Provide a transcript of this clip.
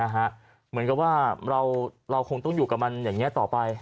เหมือนกับว่าเราคงต้องอยู่กับมันอย่างนี้ต่อไป